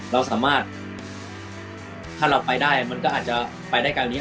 เราสามารถถ้าเราไปได้มันก็อาจจะไปได้ไกลนี้